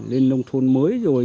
lên nông thôn mới rồi